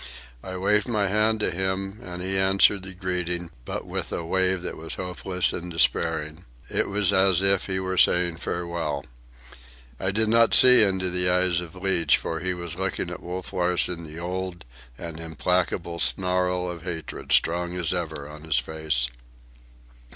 I waved my hand to him, and he answered the greeting, but with a wave that was hopeless and despairing. It was as if he were saying farewell. I did not see into the eyes of Leach, for he was looking at Wolf Larsen, the old and implacable snarl of hatred strong as ever on his face.